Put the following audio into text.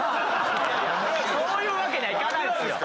そういうわけにはいかないんです。